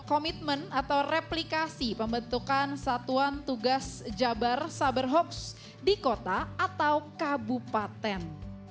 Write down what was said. komitmen atau replikasi pembentukan satuan tugas jabar saber hoax di kota atau kabupaten